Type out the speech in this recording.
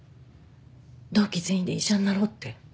同期全員で医者になろう」って。